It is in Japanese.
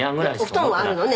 「お布団だけはあるのよ